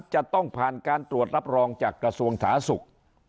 จะต้องผ่านการตรวจรับรองจากกระทรวงสาธารณสุข